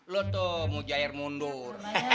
lo tuh mau jahir mundur